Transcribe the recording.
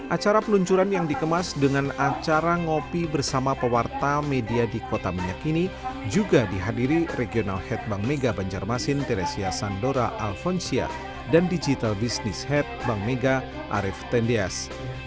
acara peluncuran yang dikemas dengan acara ngopi bersama pewarta media di kota minyak ini juga dihadiri regional head bank mega banjarmasin teresia sandora alphonsia dan digital business head bank mega arief tendeas